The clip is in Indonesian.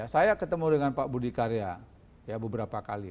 saya ketemu dengan pak budi karya beberapa kali